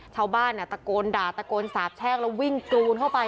ชาวบ้านตะโกนด่าตะโกนสาบแช่งแล้ววิ่งกรูนเข้าไป